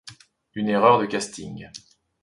Une erreur de casting.